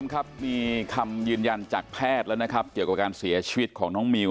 ครับมีคำยืนยันจากแพทย์แล้วนะครับเกี่ยวกับการเสียชีวิตของน้องมิว